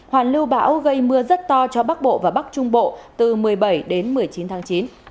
hoàn lưu bão gây mưa rất to cho bắc bộ và bắc trung bộ từ một mươi bảy đến một mươi chín tháng chín